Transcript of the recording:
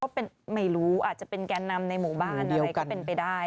ก็ไม่รู้อาจจะเป็นแกนนำในหมู่บ้านอะไรก็เป็นไปได้